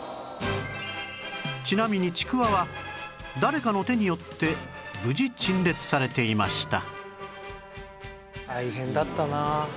ちなみにちくわは誰かの手によって無事陳列されていました